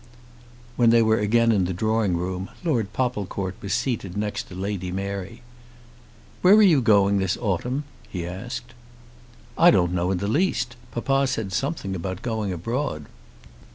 When they were again in the drawing room, Lord Popplecourt was seated next to Lady Mary. "Where are you going this autumn?" he asked. "I don't know in the least. Papa said something about going abroad."